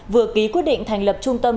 vừa ký quyết định thành lập trung tâm